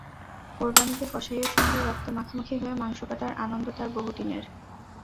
কোরবানিতে কসাইয়ের সঙ্গে রক্তে মাখামাখি হয়ে মাংস কাটার আনন্দ তার বহুদিনের।